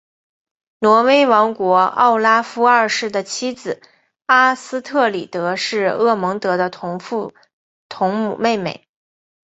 挪威国王奥拉夫二世的妻子阿斯特里德是厄蒙德的同父同母妹妹。